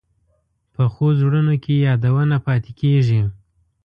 پخو زړونو کې یادونه پاتې کېږي